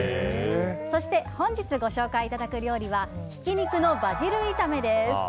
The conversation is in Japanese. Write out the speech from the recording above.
そして本日ご紹介いただく料理はひき肉のバジル炒めです。